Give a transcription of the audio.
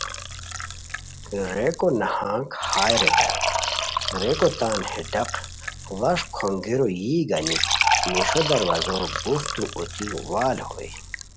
ریکو نہنگ ہائے ریتائے! ریکو تان ہے ڈاق ڑاݰ کھونگیرو یی گانی نیݰیو دروازو گوݯتو اوتی وال ہوئے